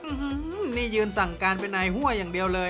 อืมนี่ยืนสั่งการเป็นนายหัวอย่างเดียวเลย